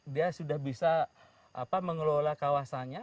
dia sudah bisa mengelola kawasannya